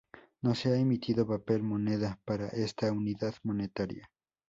No se ha emitido papel moneda para esta unidad monetaria.